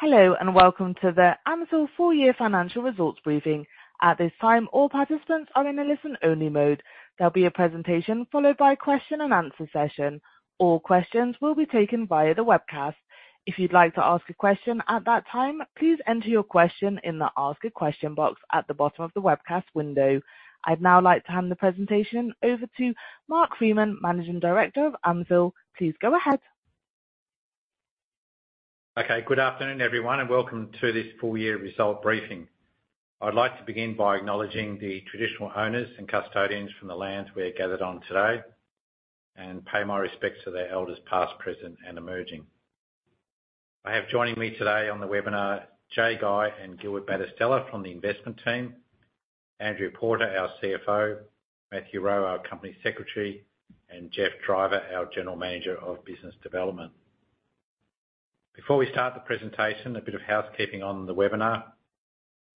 Hello and welcome to the AMCIL Full-year Financial Results Briefing. At this time, all participants are in a listen-only mode. There'll be a presentation followed by a question-and-answer session. All questions will be taken via the webcast. If you'd like to ask a question at that time, please enter your question in the Ask a Question box at the bottom of the webcast window. I'd now like to hand the presentation over to Mark Freeman, Managing Director of AMCIL. Please go ahead. Okay. Good afternoon, everyone, and welcome to this full-year result briefing. I'd like to begin by acknowledging the traditional owners and custodians from the lands we're gathered on today and pay my respects to their elders past, present, and emerging. I have joining me today on the webinar Jaye Guy and Gilbert Battistella from the investment team, Andrew Porter, our CFO, Matthew Rowe, our Company Secretary, and Geoff Driver, our General Manager of Business Development. Before we start the presentation, a bit of housekeeping on the webinar.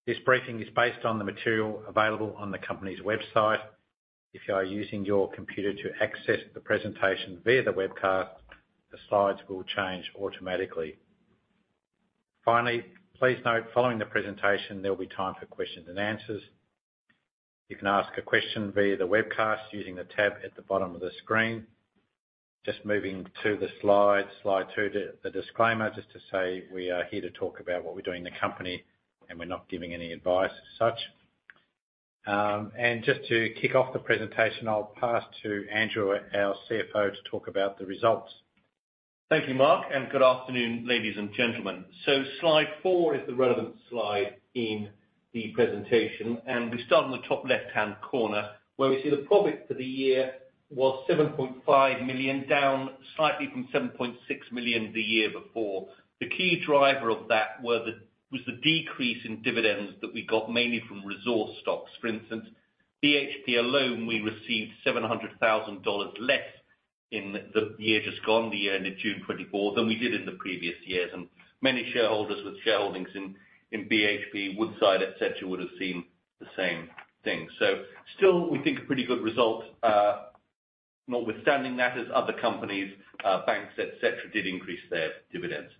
This briefing is based on the material available on the company's website. If you are using your computer to access the presentation via the webcast, the slides will change automatically. Finally, please note following the presentation, there'll be time for questions and answers. You can ask a question via the webcast using the tab at the bottom of the screen. Just moving to the slide, Slide two, the disclaimer, just to say we are here to talk about what we're doing in the company, and we're not giving any advice as such. Just to kick off the presentation, I'll pass to Andrew, our CFO, to talk about the results. Thank you, Mark, and good afternoon, ladies and gentlemen. Slide four is the relevant slide in the presentation, and we start in the top left-hand corner where we see the profit for the year was 7.5 million, down slightly from 7.6 million the year before. The key driver of that was the decrease in dividends that we got mainly from resource stocks. For instance, BHP alone, we received 700,000 dollars less in the year just gone, the year ended June 2024, than we did in the previous years. And many shareholders with shareholdings in BHP, Woodside, etc., would have seen the same thing. Still, we think a pretty good result. Notwithstanding that, as other companies, banks, etc., did increase their dividends.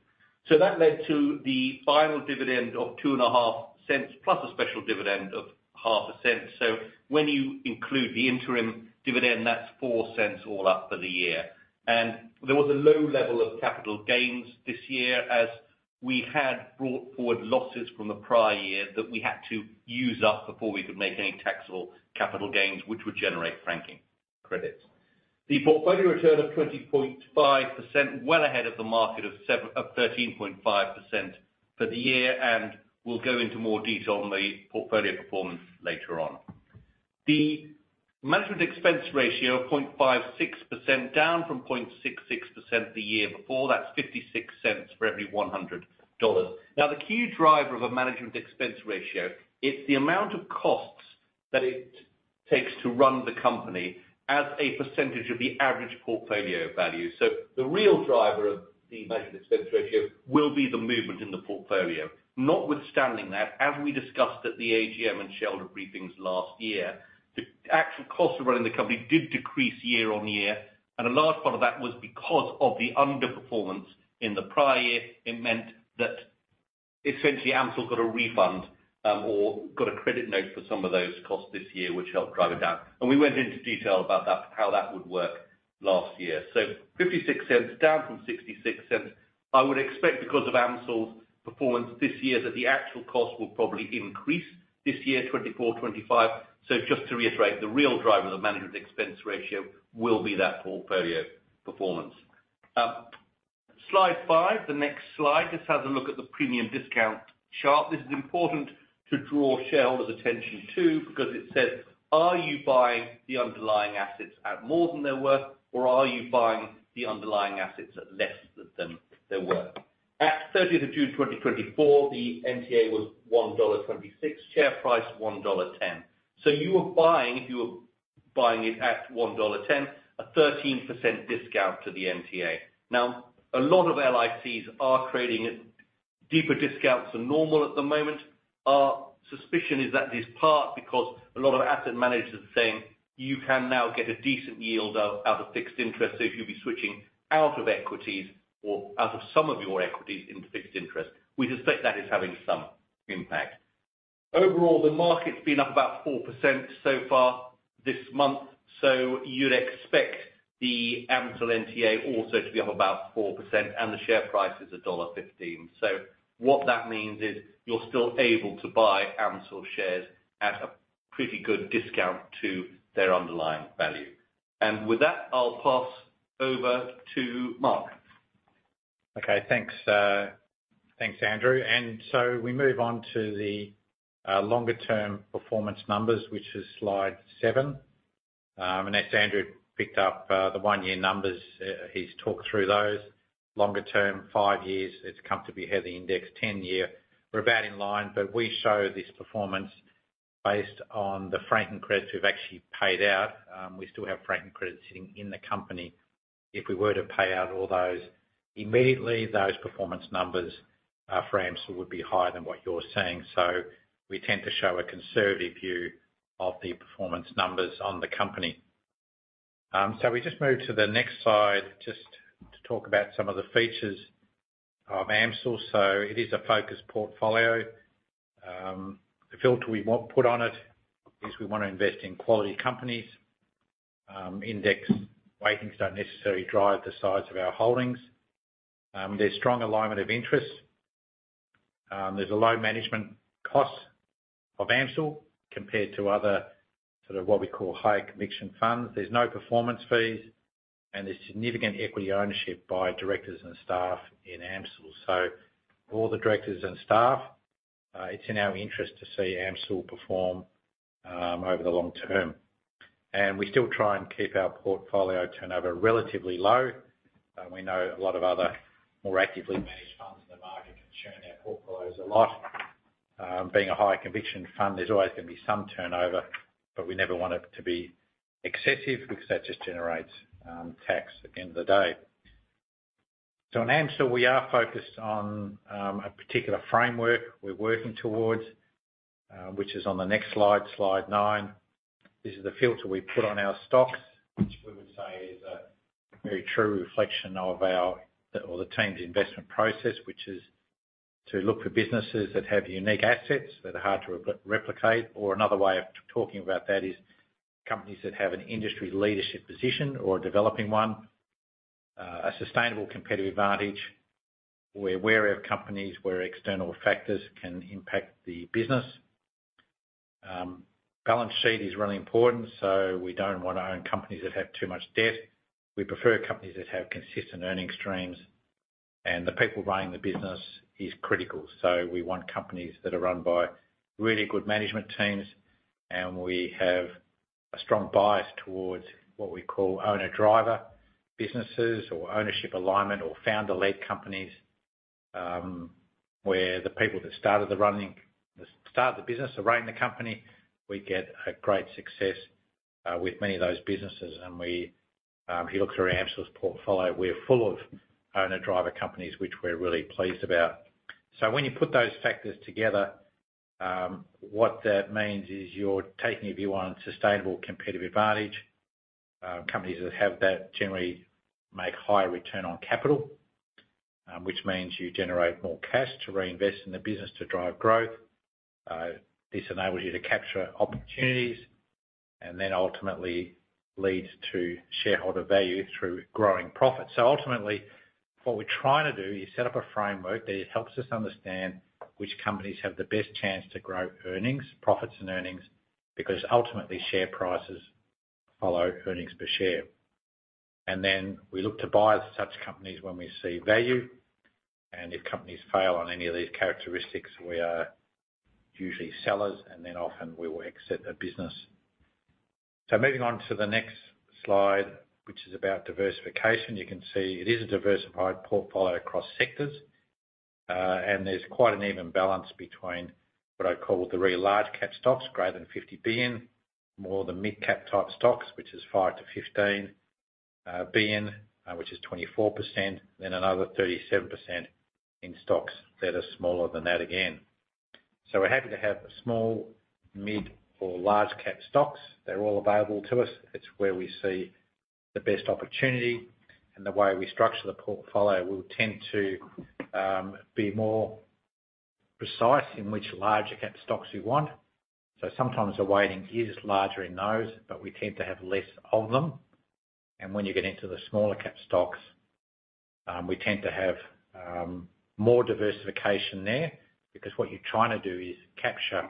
That led to the final dividend of 0.025 plus a special dividend of AUD 0.005. So when you include the interim dividend, that's 0.04 all up for the year. And there was a low level of capital gains this year as we had brought forward losses from the prior year that we had to use up before we could make any taxable capital gains, which would generate franking credits. The portfolio return of 20.5%, well ahead of the market of 13.5% for the year, and we'll go into more detail on the portfolio performance later on. The management expense ratio of 0.56%, down from 0.66% the year before. That's 0.56 for every 100 dollars. Now, the key driver of a management expense ratio, it's the amount of costs that it takes to run the company as a percentage of the average portfolio value. So the real driver of the management expense ratio will be the movement in the portfolio. Notwithstanding that, as we discussed at the AGM and shareholder briefings last year, the actual cost of running the company did decrease year-on-year, and a large part of that was because of the underperformance in the prior year. It meant that essentially AMCIL got a refund or got a credit note for some of those costs this year, which helped drive it down. And we went into detail about how that would work last year. So 0.56, down from 0.66. I would expect because of AMCIL's performance this year that the actual cost will probably increase this year, 2024, 2025. So just to reiterate, the real driver of the management expense ratio will be that portfolio performance. Slide five, the next slide, just has a look at the premium discount chart. This is important to draw shareholders' attention to because it says, "Are you buying the underlying assets at more than they were, or are you buying the underlying assets at less than they were?" At 30th of June 2024, the NTA was 1.26 dollar, share price 1.10 dollar. So you were buying, if you were buying it at 1.10 dollar, a 13% discount to the NTA. Now, a lot of LICs are creating deeper discounts than normal at the moment. Our suspicion is that it's part because a lot of asset managers are saying you can now get a decent yield out of fixed interest if you'll be switching out of equities or out of some of your equities into fixed interest. We suspect that is having some impact. Overall, the market's been up about 4% so far this month, so you'd expect the AMCIL NTA also to be up about 4%, and the share price is $1.15. So what that means is you're still able to buy AMCIL shares at a pretty good discount to their underlying value. With that, I'll pass over to Mark. Okay. Thanks, Andrew. So we move on to the longer-term performance numbers, which is slide 7. As Andrew picked up the one-year numbers, he's talked through those. Longer-term, five years, comparable to the index 10-year. We're about in line, but we show this performance based on the franking credits we've actually paid out. We still have franking credits sitting in the company. If we were to pay out all those immediately, those performance numbers for AMCIL would be higher than what you're seeing. So we tend to show a conservative view of the performance numbers on the company. We just moved to the next slide just to talk about some of the features of AMCIL. So it is a focused portfolio. The filter we put on it is we want to invest in quality companies. Index weightings don't necessarily drive the size of our holdings. There's strong alignment of interest. There's a low management cost of AMCIL compared to other sort of what we call higher-conviction funds. There's no performance fees, and there's significant equity ownership by directors and staff in AMCIL. So for the directors and staff, it's in our interest to see AMCIL perform over the long term. We still try and keep our portfolio turnover relatively low. We know a lot of other more actively managed funds in the market can churn their portfolios a lot. Being a high-conviction fund, there's always going to be some turnover, but we never want it to be excessive because that just generates tax at the end of the day. In AMCIL, we are focused on a particular framework we're working towards, which is on the next slide, slide nine. This is the filter we put on our stocks, which we would say is a very true reflection of our or the team's investment process, which is to look for businesses that have unique assets that are hard to replicate. Or another way of talking about that is companies that have an industry leadership position or a developing one, a sustainable competitive advantage. We're aware of companies where external factors can impact the business. Balance sheet is really important, so we don't want to own companies that have too much debt. We prefer companies that have consistent earning streams, and the people running the business is critical. So we want companies that are run by really good management teams, and we have a strong bias towards what we call owner-driver businesses or ownership alignment or founder-led companies where the people that started the running, started the business, are running the company. We get a great success with many of those businesses, and if you look through AMCIL's portfolio, we're full of owner-driver companies, which we're really pleased about. So when you put those factors together, what that means is you're taking a view on sustainable competitive advantage. Companies that have that generally make higher return on capital, which means you generate more cash to reinvest in the business to drive growth. This enables you to capture opportunities and then ultimately leads to shareholder value through growing profits. Ultimately, what we're trying to do is set up a framework that helps us understand which companies have the best chance to grow earnings, profits and earnings, because ultimately share prices follow earnings per share. Then we look to buy such companies when we see value, and if companies fail on any of these characteristics, we are usually sellers, and then often we will exit the business. Moving on to the next slide, which is about diversification, you can see it is a diversified portfolio across sectors, and there's quite an even balance between what I call the really large-cap stocks, greater than 50 billion, more than mid-cap type stocks, which is 5 billion-15 billion, which is 24%, then another 37% in stocks that are smaller than that again. We're happy to have small, mid, or large-cap stocks. They're all available to us. It's where we see the best opportunity, and the way we structure the portfolio, we'll tend to be more precise in which larger-cap stocks we want. So sometimes the weighting is larger in those, but we tend to have less of them. And when you get into the smaller-cap stocks, we tend to have more diversification there because what you're trying to do is capture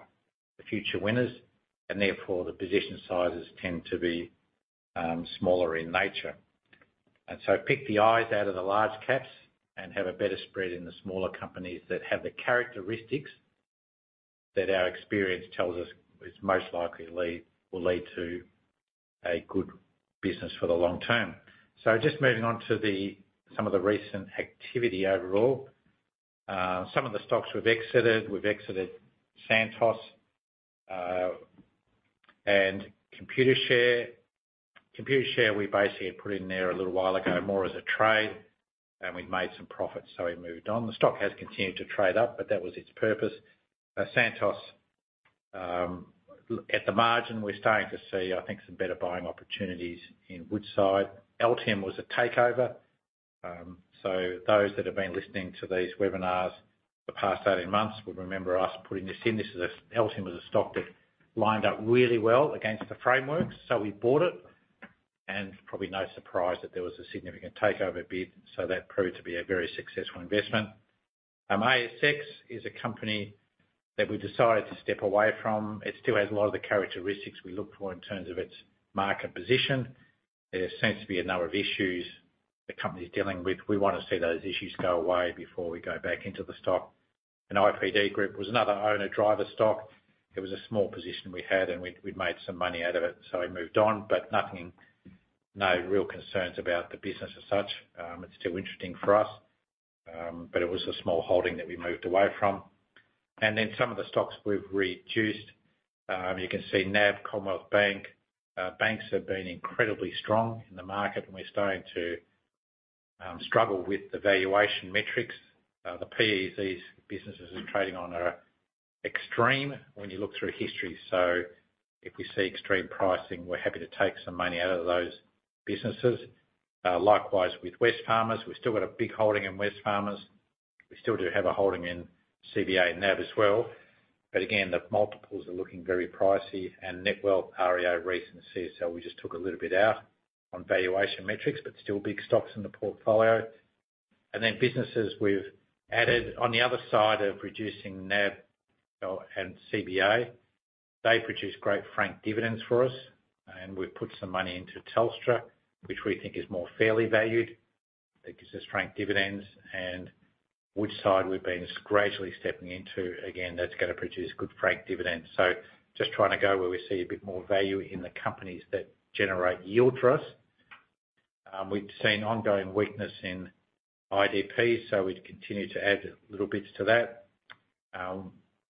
the future winners, and therefore the position sizes tend to be smaller in nature. And so pick the eyes out of the large caps and have a better spread in the smaller companies that have the characteristics that our experience tells us is most likely will lead to a good business for the long term. So just moving on to some of the recent activity overall, some of the stocks we've exited: we've exited Santos and Computershare. Computershare, we basically had put in there a little while ago more as a trade, and we've made some profits, so we moved on. The stock has continued to trade up, but that was its purpose. Santos, at the margin, we're starting to see, I think, some better buying opportunities in Woodside. Altium was a takeover. So those that have been listening to these webinars the past 18 months will remember us putting this in. This is, Altium was a stock that lined up really well against the framework, so we bought it, and probably no surprise that there was a significant takeover bid, so that proved to be a very successful investment. ASX is a company that we decided to step away from. It still has a lot of the characteristics we look for in terms of its market position. There seems to be a number of issues the company's dealing with. We want to see those issues go away before we go back into the stock. And IPD Group was another owner-driver stock. It was a small position we had, and we'd made some money out of it, so we moved on, but nothing, no real concerns about the business as such. It's still interesting for us, but it was a small holding that we moved away from. And then some of the stocks we've reduced, you can see NAB, Commonwealth Bank. Banks have been incredibly strong in the market, and we're starting to struggle with the valuation metrics. The P/Es businesses are trading on are extreme when you look through history. So if we see extreme pricing, we're happy to take some money out of those businesses. Likewise with Wesfarmers. We've still got a big holding in Wesfarmers. We still do have a holding in CBA and NAB as well. But again, the multiples are looking very pricey, and Netwealth, Rio Tinto, Reece, and CSL, we just took a little bit out on valuation metrics, but still big stocks in the portfolio. And then businesses we've added on the other side of reducing NAB and CBA, they produce great franked dividends for us, and we've put some money into Telstra, which we think is more fairly valued. It gives us franked dividends, and Woodside we've been gradually stepping into. Again, that's going to produce good franked dividends. So just trying to go where we see a bit more value in the companies that generate yield for us. We've seen ongoing weakness in IDP, so we've continued to add little bits to that.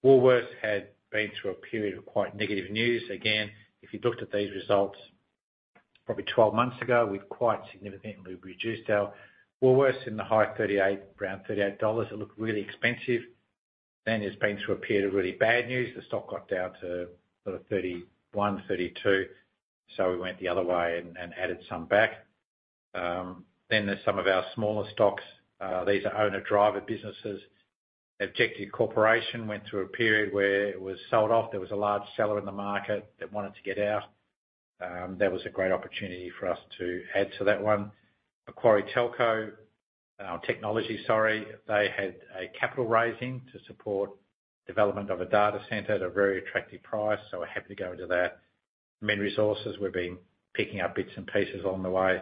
Woolworths had been through a period of quite negative news. Again, if you looked at these results probably 12 months ago, we've quite significantly reduced our Woolworths in the high 38, around $38. It looked really expensive. Then it's been through a period of really bad news. The stock got down to sort of 31, 32, so we went the other way and added some back. Then there's some of our smaller stocks. These are owner-driver businesses. Objective Corporation went through a period where it was sold off. There was a large seller in the market that wanted to get out. That was a great opportunity for us to add to that one. Macquarie Technology Group, sorry, they had a capital raising to support development of a data center at a very attractive price, so we're happy to go into that. Min Resources, we've been picking up bits and pieces along the way.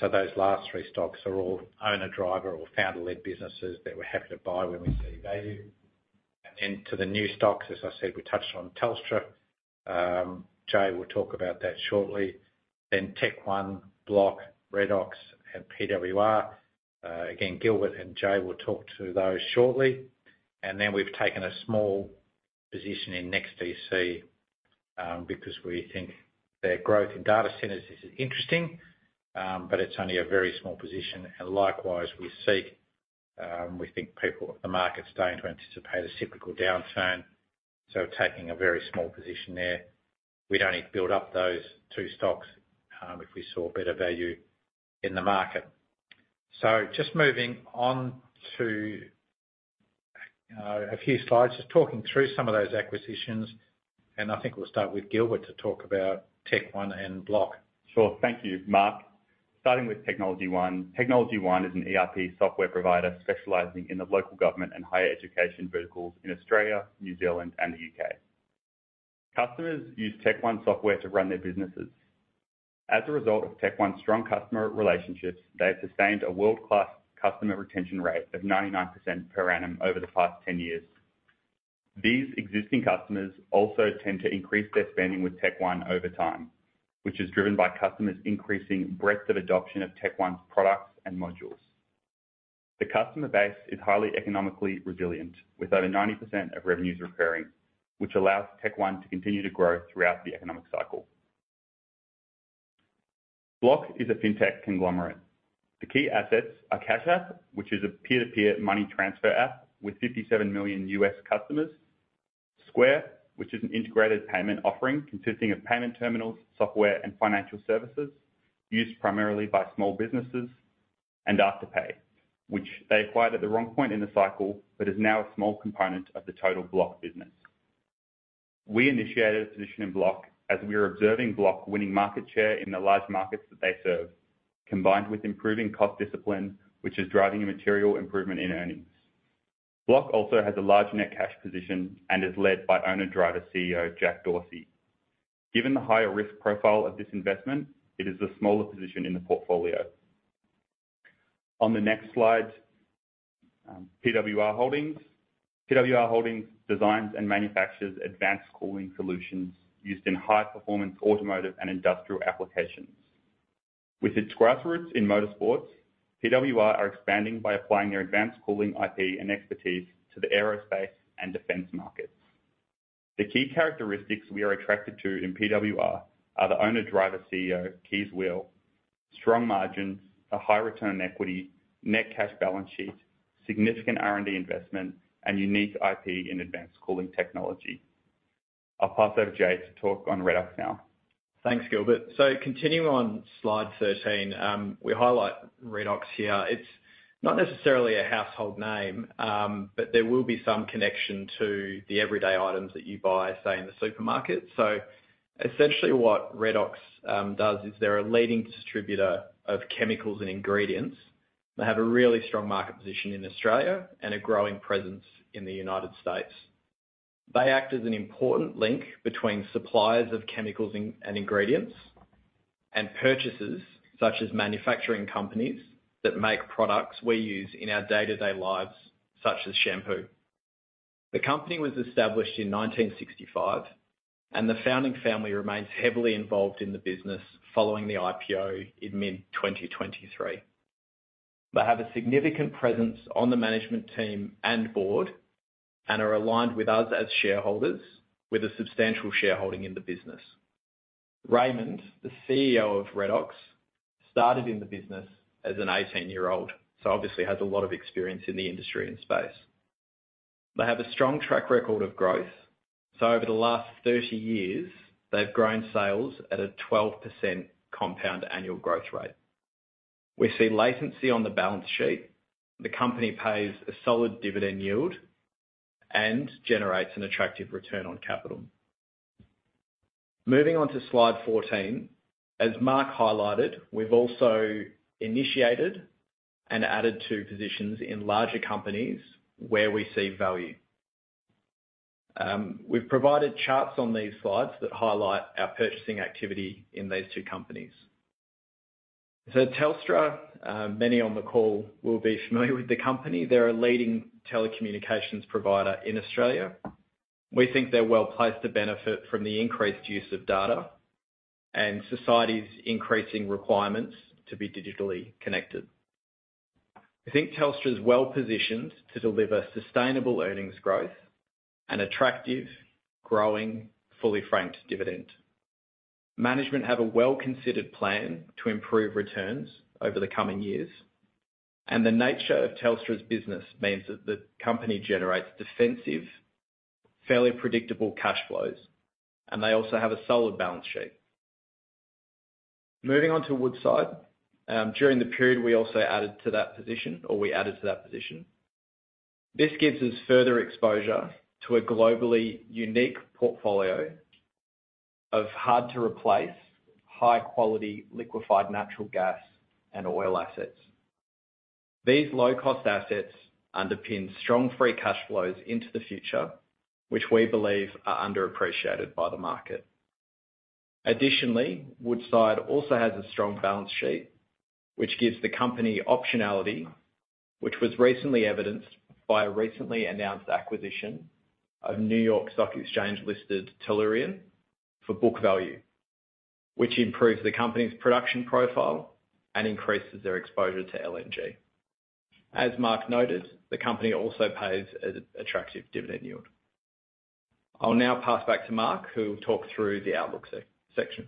So those last three stocks are all owner-driver or founder-led businesses that we're happy to buy when we see value. And then to the new stocks, as I said, we touched on Telstra. Jaye will talk about that shortly. Then Tech One, Block, Redox, and PWR. Again, Gilbert and Jaye will talk to those shortly. And then we've taken a small position in NEXTDC because we think their growth in data centers is interesting, but it's only a very small position. And likewise, SEEK, we think people are staying away from the market to anticipate a cyclical downturn, so taking a very small position there. We'd only build up those two stocks if we saw better value in the market. Just moving on to a few slides, just talking through some of those acquisitions, and I think we'll start with to talk about Tech One and Block. Sure. Thank you, Mark. Starting with TechnologyOne. TechnologyOne is an ERP software provider specializing in the local government and higher education verticals in Australia, New Zealand, and the U.K. Customers use Tech One software to run their businesses. As a result of Tech One's strong customer relationships, they have sustained a world-class customer retention rate of 99% per annum over the past 10 years. These existing customers also tend to increase their spending with Tech One over time, which is driven by customers increasing breadth of adoption of Tech One's products and modules. The customer base is highly economically resilient, with over 90% of revenues recurring, which allows Tech One to continue to grow throughout the economic cycle. Block is a fintech conglomerate. The key assets are Cash App, which is a peer-to-peer money transfer app with 57 million U.S. customers. Square, which is an integrated payment offering consisting of payment terminals, software, and financial services used primarily by small businesses. And Afterpay, which they acquired at the wrong point in the cycle, but is now a small component of the total Block business. We initiated a position in Block as we were observing Block winning market share in the large markets that they serve, combined with improving cost discipline, which is driving a material improvement in earnings. Block also has a large net cash position and is led by owner-driver CEO Jack Dorsey. Given the higher risk profile of this investment, it is the smaller position in the portfolio. On the next slide, PWR Holdings. PWR Holdings designs and manufactures advanced cooling solutions used in high-performance automotive and industrial applications. With its grassroots in motorsports, PWR are expanding by applying their advanced cooling IP and expertise to the aerospace and defense markets. The key characteristics we are attracted to in PWR are the owner-driver CEO Kees Weel, strong margins, a high return on equity, net cash balance sheet, significant R&D investment, and unique IP in advanced cooling technology. I'll pass over Jaye to talk on Redox now. Thanks, Gilbert. So continuing on Slide 13, we highlight Redox here. It's not necessarily a household name, but there will be some connection to the everyday items that you buy, say, in the supermarket. So essentially what Redox does is they're a leading distributor of chemicals and ingredients. They have a really strong market position in Australia and a growing presence in the United States. They act as an important link between suppliers of chemicals and ingredients and purchasers such as manufacturing companies that make products we use in our day-to-day lives, such as shampoo. The company was established in 1965, and the founding family remains heavily involved in the business following the IPO in mid-2023. They have a significant presence on the management team and board and are aligned with us as shareholders with a substantial shareholding in the business. Raimond, the CEO of Redox, started in the business as an 18-year-old, so obviously has a lot of experience in the industry and space. They have a strong track record of growth, so over the last 30 years, they've grown sales at a 12% compound annual growth rate. We see leverage on the balance sheet. The company pays a solid dividend yield and generates an attractive return on capital. Moving on to Slide 14, as Mark highlighted, we've also initiated and added to positions in larger companies where we see value. We've provided charts on these slides that highlight our purchasing activity in those two companies. So Telstra, many on the call will be familiar with the company. They're a leading telecommunications provider in Australia. We think they're well placed to benefit from the increased use of data and society's increasing requirements to be digitally connected. We think Telstra is well positioned to deliver sustainable earnings growth and attractive, growing, fully franked dividend. Management have a well-considered plan to improve returns over the coming years, and the nature of Telstra's business means that the company generates defensive, fairly predictable cash flows, and they also have a solid balance sheet. Moving on to Woodside, during the period we added to that position. This gives us further exposure to a globally unique portfolio of hard-to-replace, high-quality liquefied natural gas and oil assets. These low-cost assets underpin strong free cash flows into the future, which we believe are underappreciated by the market. Additionally, Woodside also has a strong balance sheet, which gives the company optionality, which was recently evidenced by a recently announced acquisition of New York Stock Exchange-listed Tellurian for book value, which improves the company's production profile and increases their exposure to LNG. As Mark noted, the company also pays an attractive dividend yield. I'll now pass back to Mark, who will talk through the outlook section.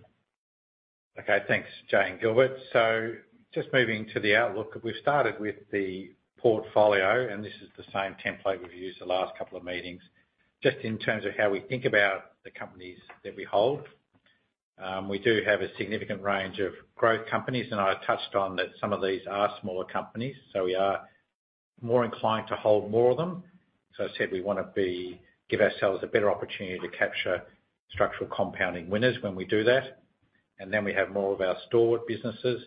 Okay, thanks, Jaye and Gilbert. So just moving to the outlook, we've started with the portfolio, and this is the same template we've used the last couple of meetings, just in terms of how we think about the companies that we hold. We do have a significant range of growth companies, and I touched on that some of these are smaller companies, so we are more inclined to hold more of them. As I said, we want to give ourselves a better opportunity to capture structural compounding winners when we do that. And then we have more of our stalwart businesses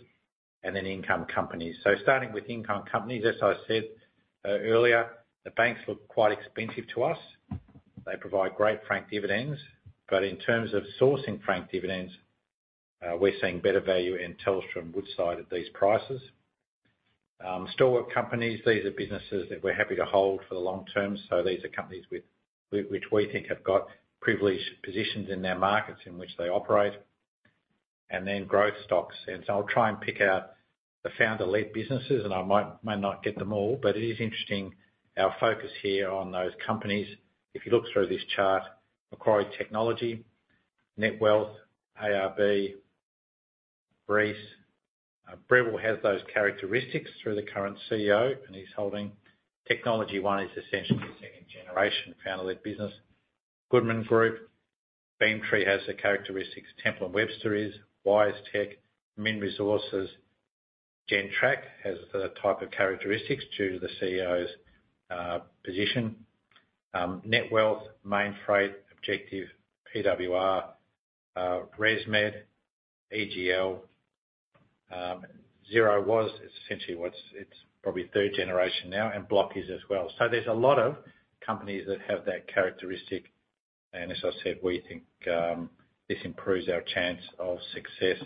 and then income companies. So starting with income companies, as I said earlier, the banks look quite expensive to us. They provide great frank dividends, but in terms of sourcing frank dividends, we're seeing better value in Telstra and Woodside at these prices. Stalwart companies, these are businesses that we're happy to hold for the long term, so these are companies which we think have got privileged positions in their markets in which they operate. And then growth stocks. And so I'll try and pick out the founder-led businesses, and I may not get them all, but it is interesting, our focus here on those companies, if you look through this chart, Macquarie Technology, Netwealth, ARB, Reece, Breville has those characteristics through the current CEO, and TechnologyOne is essentially a second-generation founder-led business. Goodman Group, Beamtree has the characteristics Temple & Webster is, WiseTech, Min Resources, Gentrack has the type of characteristics due to the CEO's position. Netwealth, Mainfreight, Objective, PWR, ResMed, EGL, Xero is essentially what's probably third generation now, and Block is as well. So there's a lot of companies that have that characteristic, and as I said, we think this improves our chance of success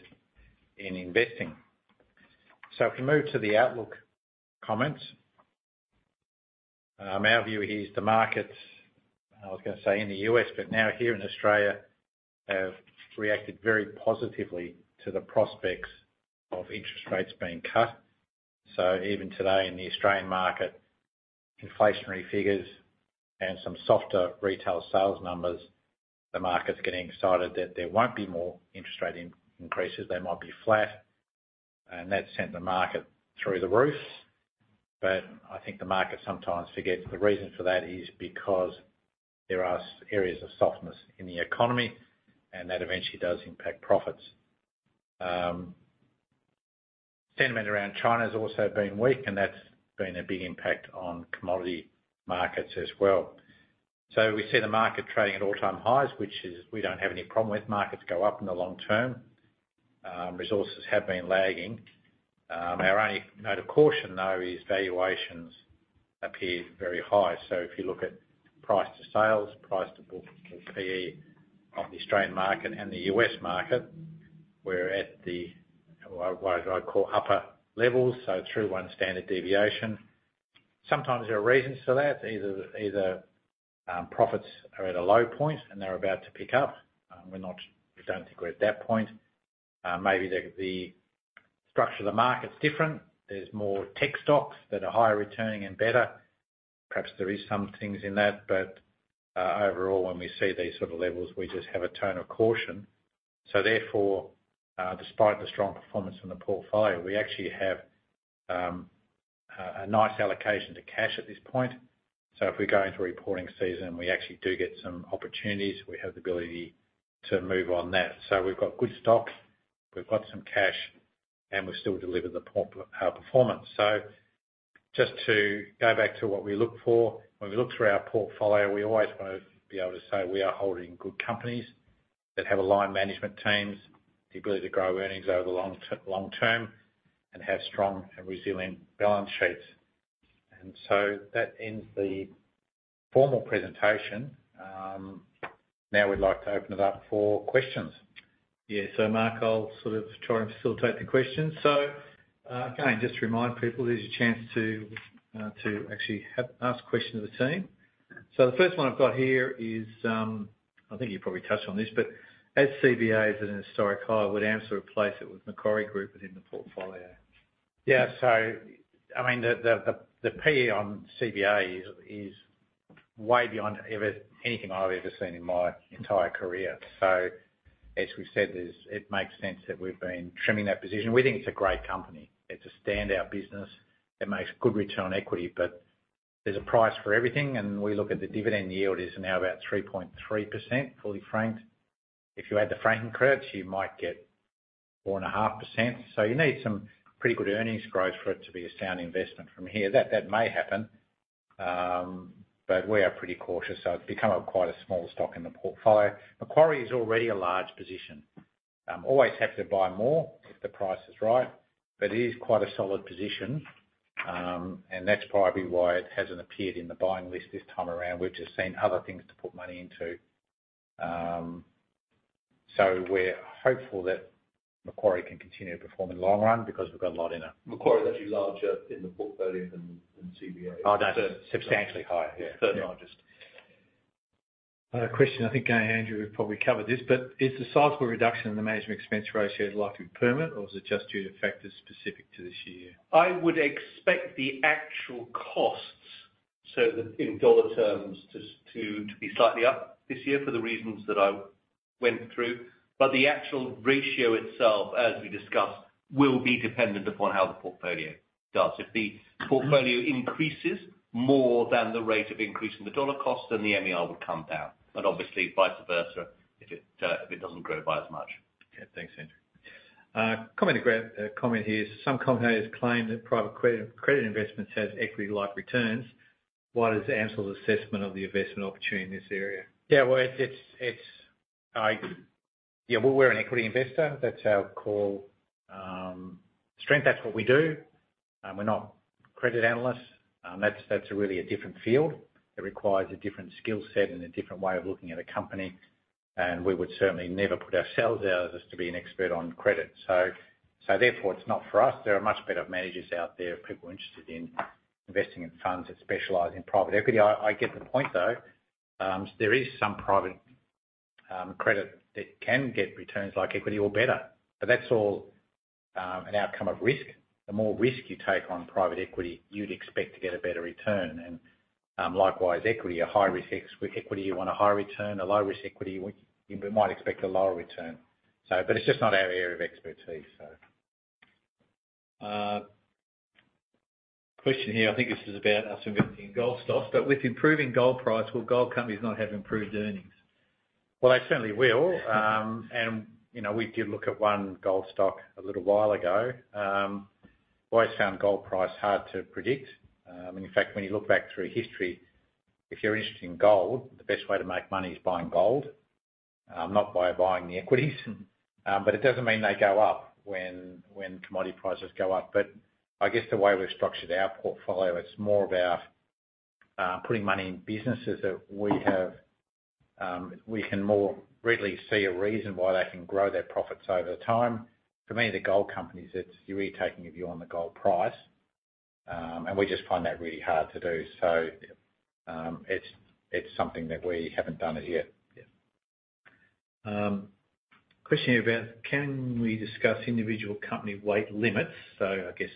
in investing. So if we move to the outlook comments, our view here is the markets, I was going to say in the U.S., but now here in Australia, have reacted very positively to the prospects of interest rates being cut. So even today in the Australian market, inflationary figures and some softer retail sales numbers, the market's getting excited that there won't be more interest rate increases. They might be flat, and that sent the market through the roof. But I think the market sometimes forgets the reason for that is because there are areas of softness in the economy, and that eventually does impact profits. Sentiment around China has also been weak, and that's been a big impact on commodity markets as well. So we see the market trading at all-time highs, which we don't have any problem with. Markets go up in the long term. Resources have been lagging. Our only note of caution, though, is valuations appear very high. So if you look at price to sales, price to book or PE of the Australian market and the U.S. market, we're at the, what I'd call, upper levels, so through one standard deviation. Sometimes there are reasons for that. Either profits are at a low point and they're about to pick up. We don't think we're at that point. Maybe the structure of the market's different. There's more tech stocks that are higher returning and better. Perhaps there are some things in that, but overall, when we see these sort of levels, we just have a tone of caution. So therefore, despite the strong performance in the portfolio, we actually have a nice allocation to cash at this point. So if we go into reporting season, we actually do get some opportunities. We have the ability to move on that. So we've got good stock, we've got some cash, and we've still delivered the performance. So just to go back to what we look for, when we look through our portfolio, we always want to be able to say we are holding good companies that have aligned management teams, the ability to grow earnings over the long term, and have strong and resilient balance sheets. And so that ends the formal presentation. Now we'd like to open it up for questions. Yeah, so Mark, I'll sort of try and facilitate the questions. So again, just to remind people, there's a chance to actually ask questions of the team. So the first one I've got here is, I think you probably touched on this, but as CBA is at a historic high, would AMCIL replace it with Macquarie Group within the portfolio? Yeah, so I mean, the PE on CBA is way beyond anything I've ever seen in my entire career. So as we've said, it makes sense that we've been trimming that position. We think it's a great company. It's a standout business. It makes good return on equity, but there's a price for everything. And we look at the dividend yield, it's now about 3.3% fully franked. If you add the franking credits, you might get 4.5%. So you need some pretty good earnings growth for it to be a sound investment from here. That may happen, but we are pretty cautious. So it's become quite a small stock in the portfolio. Macquarie is already a large position. Always have to buy more if the price is right, but it is quite a solid position, and that's probably why it hasn't appeared in the buying list this time around. We've just seen other things to put money into. So we're hopeful that Macquarie can continue to perform in the long run because we've got a lot in it. Macquarie's actually larger in the portfolio than CBA. Oh, that's substantially higher. Yeah. The largest question, I think Andrew would probably cover this, but is the sizeable reduction in the management expense ratio likely to be permanent, or is it just due to factors specific to this year? I would expect the actual costs, so in dollar terms, to be slightly up this year for the reasons that I went through. But the actual ratio itself, as we discussed, will be dependent upon how the portfolio does. If the portfolio increases more than the rate of increase in the dollar cost, then the MER would come down. But obviously, vice versa, if it doesn't grow by as much. Okay, thanks, Andrew. Commentary comment here. Some companies claim that private credit investments have equity-like returns. What is AMCIL's assessment of the investment opportunity in this area? Yeah, well, yeah, we're an equity investor. That's our core strength. That's what we do. We're not credit analysts. That's really a different field. It requires a different skill set and a different way of looking at a company. And we would certainly never put ourselves out as to be an expert on credit. So therefore, it's not for us. There are much better managers out there, people interested in investing in funds that specialize in private equity. I get the point, though. There is some private credit that can get returns like equity or better, but that's all an outcome of risk. The more risk you take on private equity, you'd expect to get a better return. And likewise, equity, a high-risk equity, you want a high return. A low-risk equity, you might expect a lower return. But it's just not our area of expertise, so. Question here. I think this is about us investing in gold stocks, but with improving gold price, will gold companies not have improved earnings? Well, they certainly will. We did look at one gold stock a little while ago. We always found gold price hard to predict. In fact, when you look back through history, if you're interested in gold, the best way to make money is buying gold, not by buying the equities. But it doesn't mean they go up when commodity prices go up. I guess the way we've structured our portfolio, it's more about putting money in businesses that we can more readily see a reason why they can grow their profits over time. For me, the gold companies, it's you're really taking a view on the gold price. We just find that really hard to do. So it's something that we haven't done as yet. Question here about, can we discuss individual company weight limits? So I guess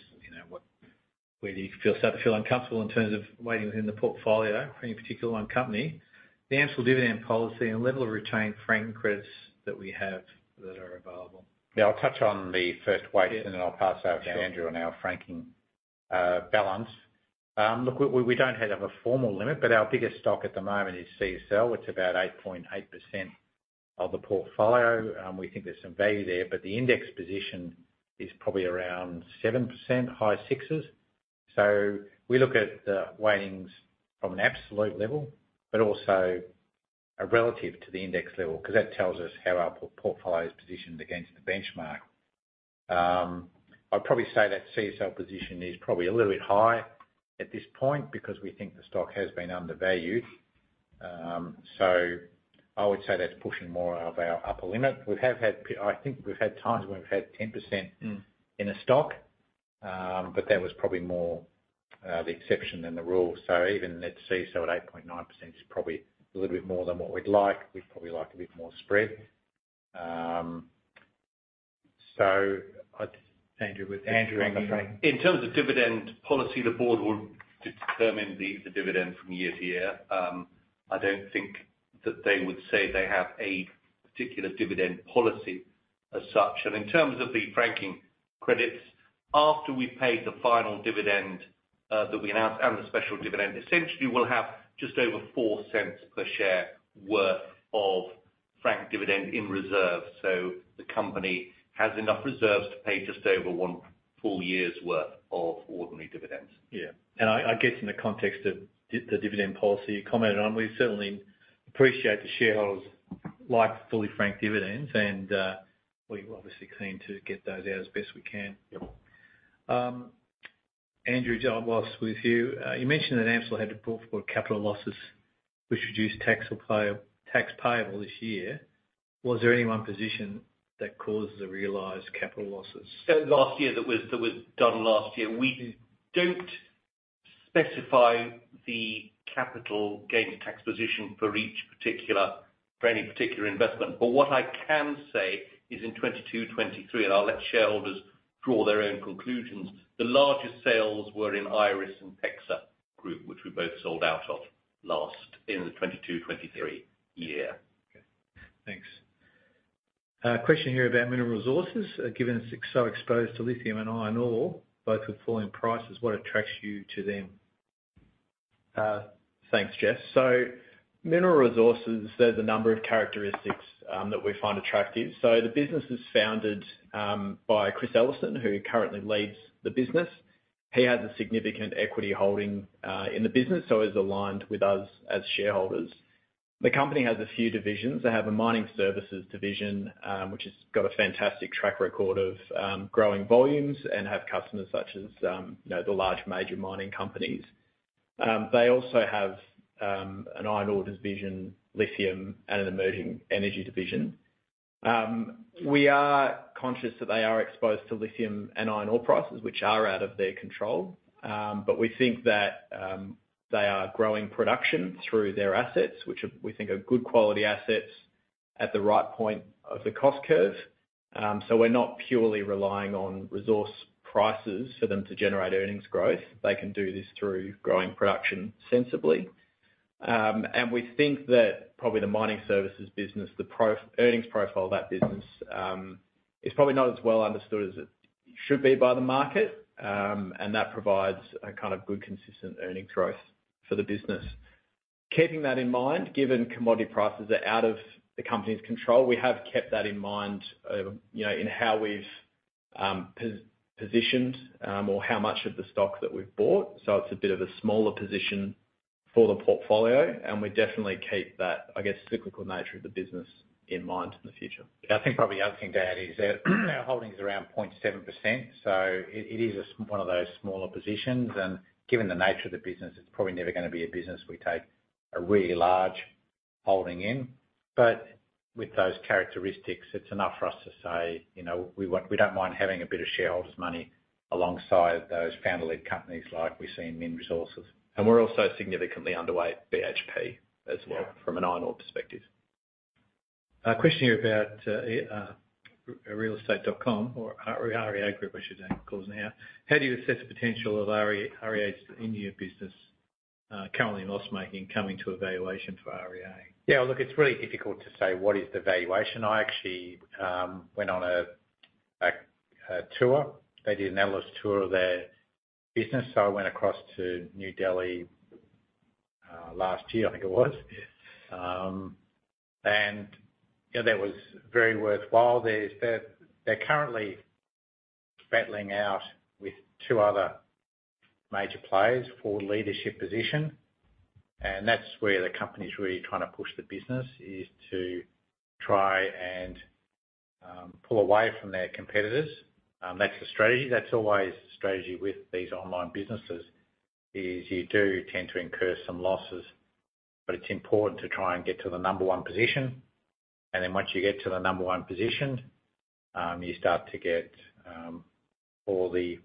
where do you feel uncomfortable in terms of weighting within the portfolio for any particular one company? The AMCIL dividend policy and level of retained franking credits that we have that are available. Yeah, I'll touch on the first weight, and then I'll pass over to Andrew on our franking balance. Look, we don't have a formal limit, but our biggest stock at the moment is CSL. It's about 8.8% of the portfolio. We think there's some value there, but the index position is probably around 7%, high six. So we look at the weightings from an absolute level, but also relative to the index level, because that tells us how our portfolio is positioned against the benchmark. I'd probably say that CSL position is probably a little bit high at this point because we think the stock has been undervalued. So I would say that's pushing more of our upper limit. I think we've had times when we've had 10% in a stock, but that was probably more the exception than the rule. So even at CSL at 8.9% is probably a little bit more than what we'd like. We'd probably like a bit more spread. So Andrew, with Andrew on the franking. In terms of dividend policy, the board will determine the dividend from year to year. I don't think that they would say they have a particular dividend policy as such. In terms of the franking credits, after we pay the final dividend that we announced and the special dividend, essentially we'll have just over 0.04 per share worth of franked dividend in reserve. The company has enough reserves to pay just over one full year's worth of ordinary dividends. Yeah. And I guess in the context of the dividend policy you commented on, we certainly appreciate the shareholders like fully franked dividends, and we're obviously keen to get those out as best we can. Andrew, I'll buzz with you. You mentioned that AMCIL had to bring forward capital losses, which reduced tax payable this year. Was there any one position that caused the realized capital losses? Last year that was done last year, we don't specify the capital gains tax position for any particular investment. But what I can say is in 2022/23, and I'll let shareholders draw their own conclusions, the largest sales were in Iress and PEXA Group, which we both sold out of last in the 2022/2023 year. Okay. Thanks. Question here about Mineral Resources. Given it's so exposed to lithium and iron ore, both with falling prices, what attracts you to them? Thanks, Jess. So Mineral Resources, there's a number of characteristics that we find attractive. So the business is founded by Chris Ellison, who currently leads the business. He has a significant equity holding in the business, so he's aligned with us as shareholders. The company has a few divisions. They have a mining services division, which has got a fantastic track record of growing volumes and have customers such as the large major mining companies. They also have an iron ore division, lithium, and an emerging energy division. We are conscious that they are exposed to lithium and iron ore prices, which are out of their control. But we think that they are growing production through their assets, which we think are good quality assets at the right point of the cost curve. So we're not purely relying on resource prices for them to generate earnings growth. They can do this through growing production sensibly. We think that probably the mining services business, the earnings profile of that business is probably not as well understood as it should be by the market, and that provides a kind of good consistent earnings growth for the business. Keeping that in mind, given commodity prices are out of the company's control, we have kept that in mind in how we've positioned or how much of the stock that we've bought. It's a bit of a smaller position for the portfolio, and we definitely keep that, I guess, cyclical nature of the business in mind in the future. Yeah, I think probably the other thing to add is our holding's around 0.7%. So it is one of those smaller positions. And given the nature of the business, it's probably never going to be a business we take a really large holding in. But with those characteristics, it's enough for us to say we don't mind having a bit of shareholders' money alongside those founder-led companies like we see in Min Resources. And we're also significantly underweight BHP as well from an iron ore perspective. Question here about Realestate.com or REA Group, I should call it now. How do you assess the potential of REA's India business currently in loss-making coming to valuation for REA? Yeah, look, it's really difficult to say what is the valuation. I actually went on a tour. They did an analyst tour of their business. So I went across to New Delhi last year, I think it was. And yeah, that was very worthwhile. They're currently battling out with two other major players for leadership position. And that's where the company's really trying to push the business is to try and pull away from their competitors. That's the strategy. That's always the strategy with these online businesses is you do tend to incur some losses, but it's important to try and get to the number one position. And then once you get to the number one position, you start to get all the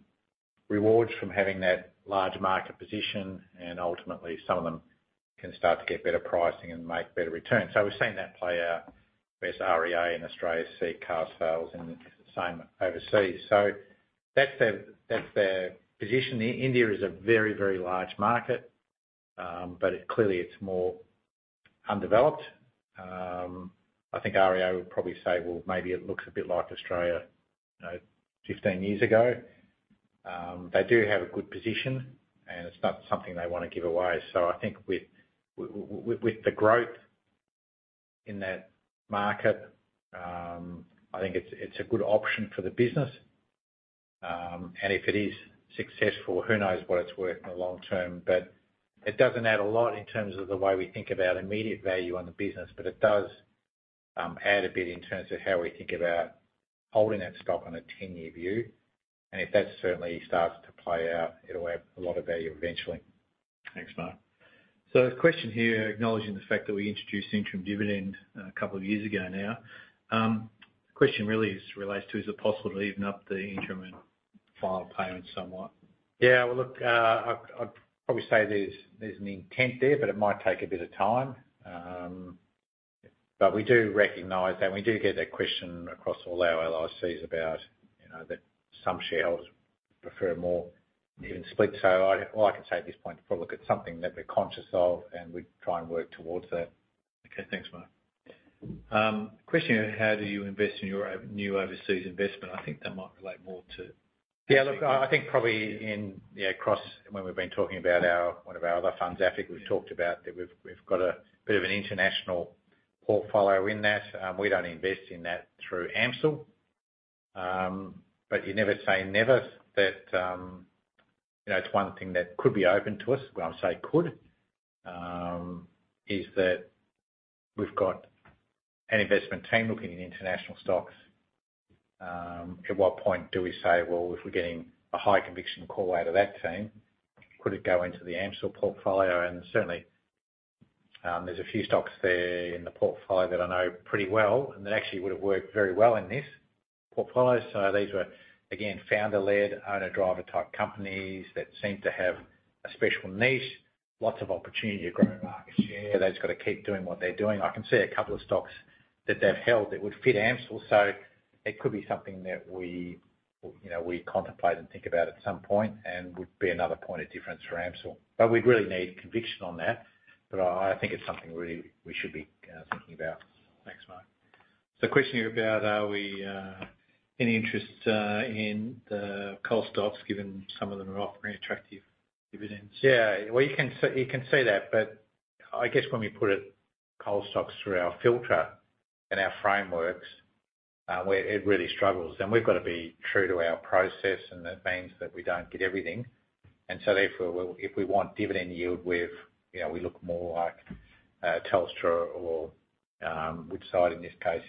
rewards from having that large market position. And ultimately, some of them can start to get better pricing and make better returns. So we've seen that play out with REA in Australia, see Carsales the same overseas. So that's their position. India is a very, very large market, but clearly it's more undeveloped. I think REA would probably say, well, maybe it looks a bit like Australia 15 years ago. They do have a good position, and it's not something they want to give away. So I think with the growth in that market, I think it's a good option for the business. And if it is successful, who knows what it's worth in the long term. But it doesn't add a lot in terms of the way we think about immediate value on the business, but it does add a bit in terms of how we think about holding that stock on a 10-year view. And if that certainly starts to play out, it'll add a lot of value eventually. Thanks, Mark. So the question here, acknowledging the fact that we introduced interim dividend a couple of years ago now, the question really relates to, is it possible to even up the interim and final payments somewhat? Yeah, well, look, I'd probably say there's an intent there, but it might take a bit of time. But we do recognize that we do get that question across all our LICs about that some shareholders prefer more even split. So all I can say at this point, probably look at something that we're conscious of, and we try and work towards that. Okay, thanks, Mark. Question here, how do you invest in your new overseas investment? I think that might relate more to. Yeah, look, I think probably when we've been talking about one of our other funds, AFIC, we've talked about that we've got a bit of an international portfolio in that. We don't invest in that through AMCIL. But you never say never that it's one thing that could be open to us. When I say could, is that we've got an investment team looking in international stocks. At what point do we say, well, if we're getting a high conviction call out of that team, could it go into the AMCIL portfolio? And certainly, there's a few stocks there in the portfolio that I know pretty well and that actually would have worked very well in this portfolio. So these were, again, founder-led, owner-driver type companies that seem to have a special niche, lots of opportunity to grow market share. They've got to keep doing what they're doing. I can see a couple of stocks that they've held that would fit AMCIL. So it could be something that we contemplate and think about at some point and would be another point of difference for AMCIL. But we'd really need conviction on that. But I think it's something really we should be thinking about. Thanks, Mark. So, question here about: is there any interest in the coal stocks given some of them are offering attractive dividends? Yeah, well, you can see that. But I guess when we put coal stocks through our filter and our frameworks, it really struggles. And we've got to be true to our process, and that means that we don't get everything. And so if we want dividend yield, we look more like Telstra or Woodside in this case.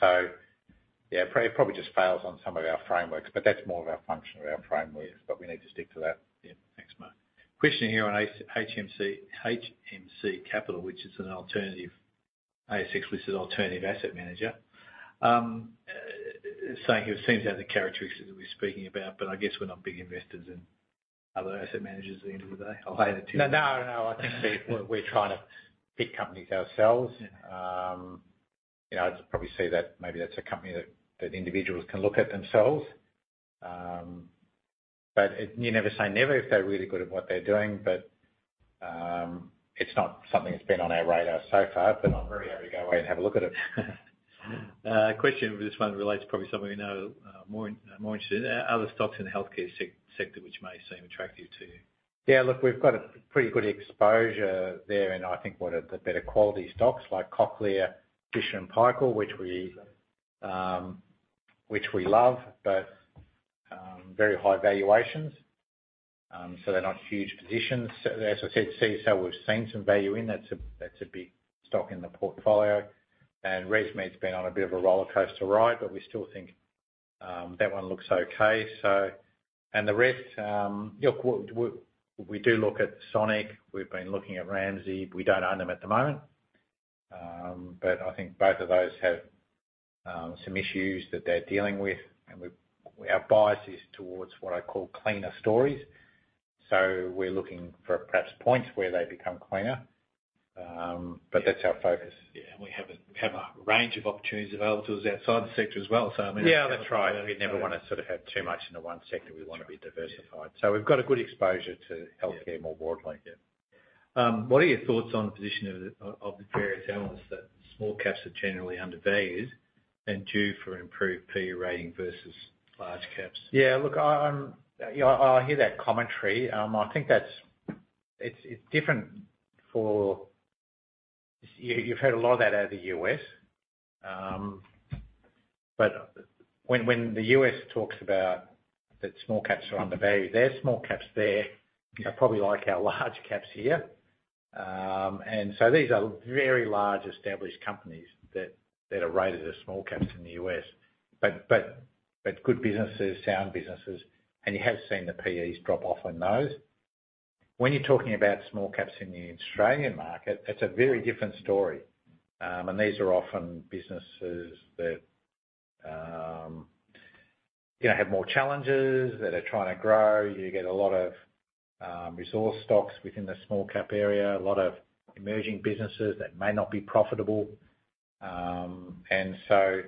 So yeah, it probably just fails on some of our frameworks, but that's more of a function of our frameworks, but we need to stick to that. Yeah, thanks, Mark. Question here on HMC Capital, which is an ASX-listed alternative asset manager. It seems to have the characteristics that we're speaking about, but I guess we're not big investors in other asset managers at the end of the day. I'll hand it to you. No, no, no. I think we're trying to pick companies ourselves. I'd probably say that maybe that's a company that individuals can look at themselves. But you never say never if they're really good at what they're doing. But it's not something that's been on our radar so far, but I'm very happy to go away and have a look at it. Question: this one relates to probably someone we know more interested in other stocks in the healthcare sector, which may seem attractive to you. Yeah, look, we've got a pretty good exposure there, and I think one of the better quality stocks like Cochlear, Fisher & Paykel, which we love, but very high valuations. So they're not huge positions. As I said, CSL, we've seen some value in. That's a big stock in the portfolio. And ResMed's been on a bit of a roller coaster ride, but we still think that one looks okay. And the rest, look, we do look at Sonic. We've been looking at Ramsay. We don't own them at the moment. But I think both of those have some issues that they're dealing with. And our bias is towards what I call cleaner stories. So we're looking for perhaps points where they become cleaner, but that's our focus. Yeah, and we have a range of opportunities available to us outside the sector as well. So I mean. Yeah, that's right. We never want to sort of have too much in the one sector. We want to be diversified. So we've got a good exposure to healthcare more broadly. What are your thoughts on the position of the various analysts that small caps are generally undervalued and due for improved P/E rating versus large caps? Yeah, look, I hear that commentary. I think it's different for you've heard a lot of that out of the U.S. But when the U.S. talks about that small caps are undervalued, they're small caps there. They probably like our large caps here. And so these are very large established companies that are rated as small caps in the U.S. But good businesses, sound businesses, and you have seen the P/Es drop off in those. When you're talking about small caps in the Australian market, it's a very different story. And these are often businesses that have more challenges, that are trying to grow. You get a lot of resource stocks within the small cap area, a lot of emerging businesses that may not be profitable. And so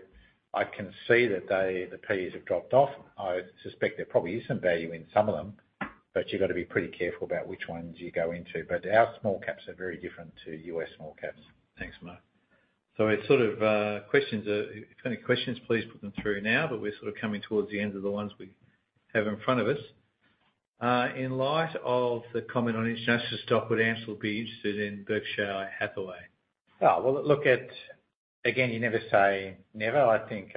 I can see that the P/Es have dropped off. I suspect there probably is some value in some of them, but you've got to be pretty careful about which ones you go into. Our small caps are very different to US small caps. Thanks, Mark. So it's sort of questions. If you've got any questions, please put them through now. But we're sort of coming towards the end of the ones we have in front of us. In light of the comment on international stock, would AMCIL be interested in Berkshire Hathaway? Oh, well, look, again, you never say never. I think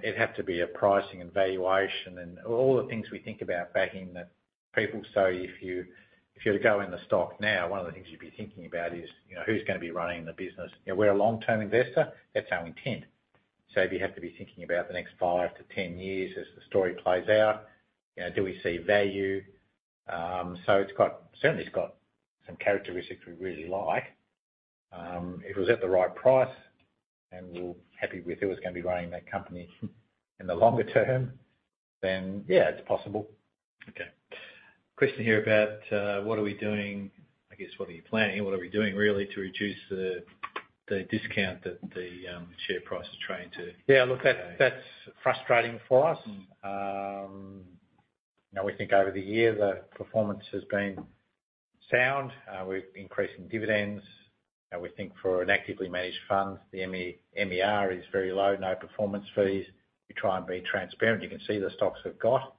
it'd have to be a pricing and valuation and all the things we think about backing the people. So if you were to go in the stock now, one of the things you'd be thinking about is who's going to be running the business. We're a long-term investor. That's our intent. So you have to be thinking about the next five to 10 years as the story plays out. Do we see value? So certainly, it's got some characteristics we really like. If it was at the right price and we're happy with who was going to be running that company in the longer term, then yeah, it's possible. Okay. Question here about what are we doing? I guess, what are you planning? What are we doing really to reduce the discount that the share price is trying to? Yeah, look, that's frustrating for us. We think over the year, the performance has been sound. We're increasing dividends. We think for an actively managed fund, the MER is very low, no performance fees. We try and be transparent. You can see the stocks we've got.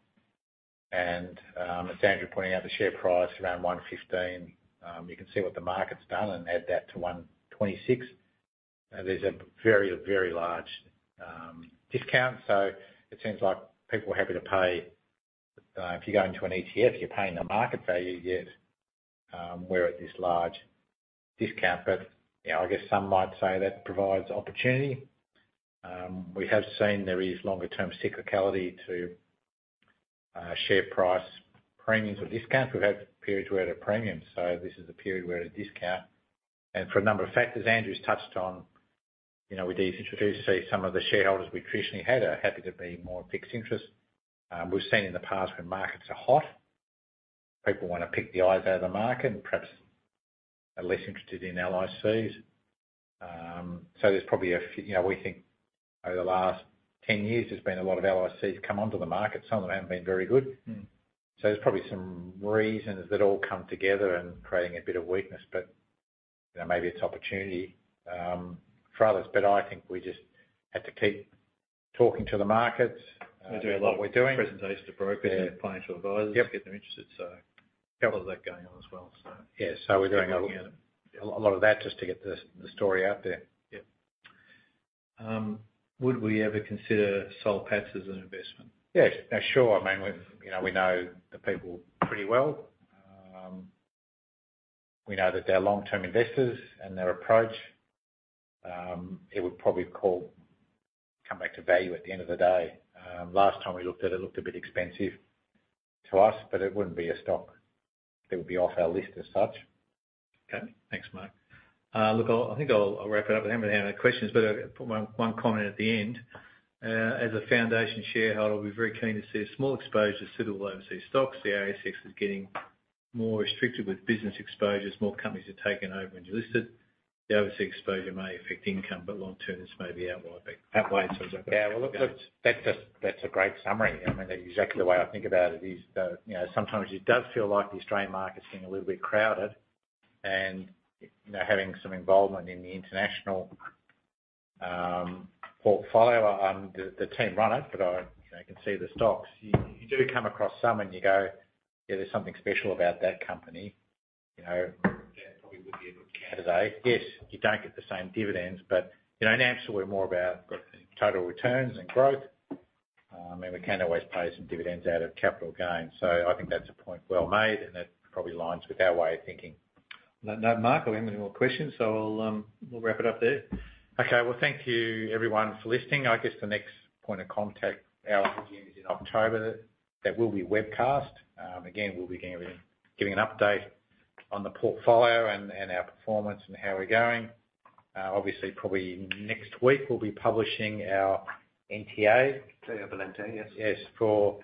And as Andrew's pointing out, the share price around 1.15, you can see what the market's done and add that to 1.26. There's a very, very large discount. So it seems like people are happy to pay. If you go into an ETF, you're paying the market value, yet we're at this large discount. But I guess some might say that provides opportunity. We have seen there is longer-term cyclicality to share price premiums or discounts. We've had periods where it had a premium. So this is a period where it had a discount. And for a number of factors Andrew's touched on, we do introduce some of the shareholders we traditionally had are happy to be more fixed interest. We've seen in the past when markets are hot, people want to pick the eyes out of the market and perhaps are less interested in LICs. So there's probably a few we think over the last 10 years, there's been a lot of LICs come onto the market. Some of them haven't been very good. So there's probably some reasons that all come together and creating a bit of weakness. But maybe it's opportunity for others. But I think we just have to keep talking to the markets. We're doing a lot of presentations to brokers and financial advisors to get them interested. A lot of that going on as well. Yeah, so we're doing a lot of that just to get the story out there. Yeah. Would we ever consider Soul Patts as an investment? Yeah, sure. I mean, we know the people pretty well. We know that they're long-term investors and their approach. It would probably come back to value at the end of the day. Last time we looked at it, it looked a bit expensive to us, but it wouldn't be a stock that would be off our list as such. Okay, thanks, Mark. Look, I think I'll wrap it up with him. I don't have any questions, but I'll put one comment at the end. As a foundation shareholder, we're very keen to see a small exposure suitable to overseas stocks. The ASX is getting more restricted with business exposures. More companies are taking over and delisted. The overseas exposure may affect income, but long-term, this may be outweighed. Yeah, well, look, that's a great summary. I mean, exactly the way I think about it is sometimes it does feel like the Australian market's being a little bit crowded. And having some involvement in the international portfolio, the team run it, but I can see the stocks. You do come across some and you go, yeah, there's something special about that company. That probably would be a good candidate. Yes, you don't get the same dividends, but in AMCIL, we're more about total returns and growth. I mean, we can always pay some dividends out of capital gains. So I think that's a point well made, and that probably aligns with our way of thinking. No, Mark, or any more questions? So we'll wrap it up there. Okay, well, thank you, everyone, for listening. I guess the next point of contact, our meeting, is in October. That will be webcast. Again, we'll be giving an update on the portfolio and our performance and how we're going. Obviously, probably next week, we'll be publishing our NTA. The other NTA, yes. Yes, for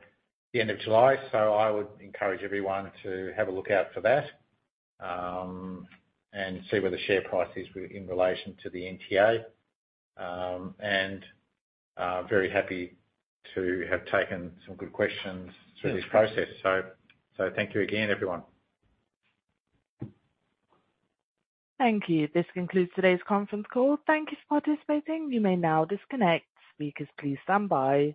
the end of July. So I would encourage everyone to have a look out for that and see where the share price is in relation to the NTA. And very happy to have taken some good questions through this process. So thank you again, everyone. Thank you. This concludes today's conference call. Thank you for participating. You may now disconnect. Speakers, please stand by.